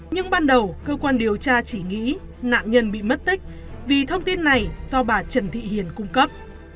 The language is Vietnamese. nhưng ban đầu cơ quan điều tra chỉ nghĩ nạn nhân bị mất tích vì thông tin này do bà trần thị hiền cung cấp